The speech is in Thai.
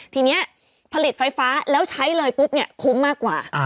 ทีนี้ผลิตไฟฟ้าแล้วใช้เลยปุ๊บเนี่ยคุ้มมากกว่า